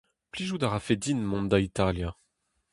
Plijout a rafe din mont da Italia.